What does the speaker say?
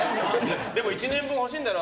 でも１年分欲しいんだろ？